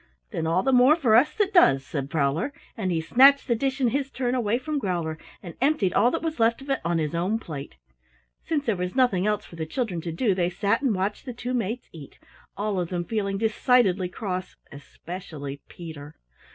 "Then all the more for us that does," said Prowler, and he snatched the dish in his turn away from Growler and emptied all that was left of it on his own plate. Since there was nothing else for the children to do, they sat and watched the two mates eat, all of them feeling decidedly cross, especially Peter.